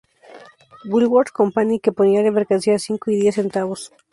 Woolworth Company que ponía la mercancía a cinco y diez centavos.